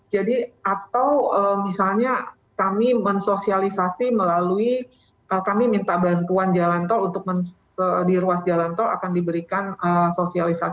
jadi atau misalnya kami mensosialisasi melalui kami minta bantuan jalan tol untuk di ruas jalan tol akan diberikan sosialisasi